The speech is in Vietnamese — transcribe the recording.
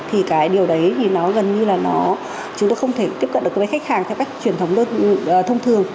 thì cái điều đấy thì nó gần như là nó chúng tôi không thể tiếp cận được với khách hàng theo cách truyền thống thông thường